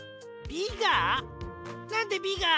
なんで「ビガ」？